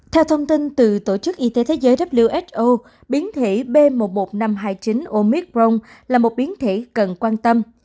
theo thông tin từ tổ chức y tế thế giới who biến thể b một một năm trăm hai mươi chín omicron là một biến thể cần quan tâm